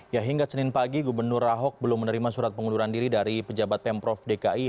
ya hingga senin pagi gubernur ahok belum menerima surat pengunduran diri dari pejabat pemprov dki